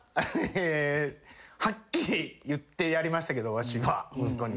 はっきり言ってやりましたけどわしは息子に。